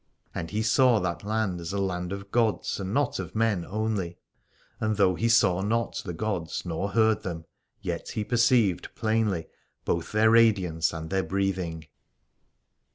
And he saw that land as a land of gods and not of men only : and though he saw not the gods nor heard them, yet he perceived plainly both their radiance and their breathing.